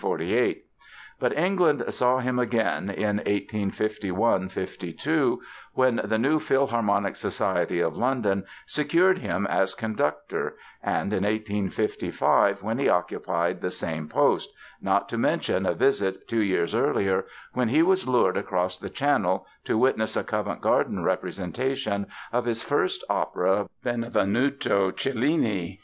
But England saw him again in 1851 52, when the New Philharmonic Society of London secured him as conductor, and in 1855 when he occupied the same post—not to mention a visit two years earlier when he was lured across the Channel to witness a Covent Garden representation of his first opera, "Benvenuto Cellini".